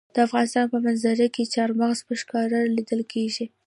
د افغانستان په منظره کې چار مغز په ښکاره لیدل کېږي.